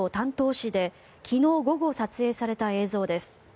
市で昨日午後、撮影された映像です。